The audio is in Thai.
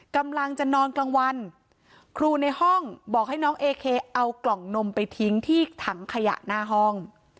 กำลังจะนอนกลางวันครูในห้องบอกให้น้องเอเคเอากล่องนมไปทิ้งที่ถังขยะหน้าห้อง